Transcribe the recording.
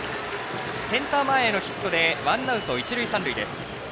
センター前へのヒットでワンアウト、一塁三塁です。